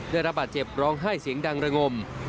ได้รับบาดเจ็บร้องไห้เสียงดังระงม